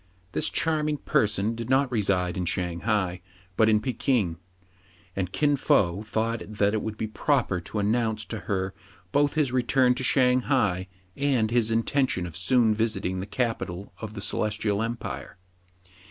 This charming person did not reside in Shang hai, but in f ekin ; and Kin Fo thought that it would be proper to announce to her both his return to Shang hai, and ihis inten tion of soon visiting the capital of :the Celestial Empire.